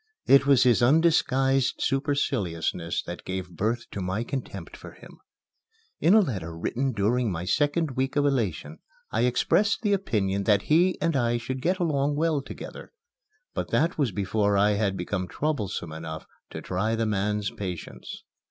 It was his undisguised superciliousness that gave birth to my contempt for him. In a letter written during my second week of elation, I expressed the opinion that he and I should get along well together. But that was before I had become troublesome enough to try the man's patience.